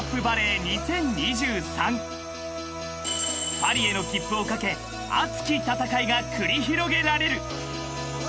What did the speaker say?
［パリへの切符を懸け熱き戦いが繰り広げられる］